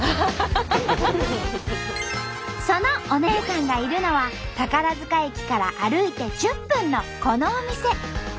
その「おねぇさん」がいるのは宝塚駅から歩いて１０分のこのお店。